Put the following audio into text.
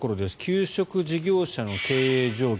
給食事業者の経営状況。